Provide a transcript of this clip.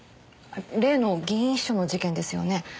例の議員秘書の事件ですよね？